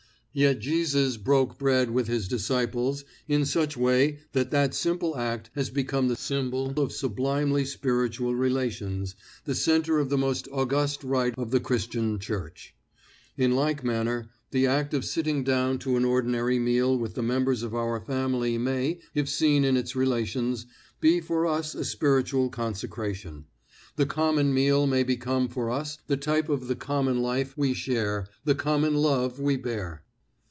Yet Jesus brake bread with his disciples in such way that that simple act has become the symbol of sublimely spiritual relations, the centre of the most august rite of the Christian Church. In like manner the act of sitting down to an ordinary meal with the members of our family may, if seen in its relations, be for us a spiritual consecration. The common meal may become for us the type of the common life we share, the common love we bear.